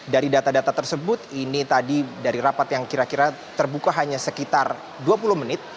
dari data data tersebut ini tadi dari rapat yang kira kira terbuka hanya sekitar dua puluh menit